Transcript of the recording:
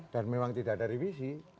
dan memang tidak ada revisi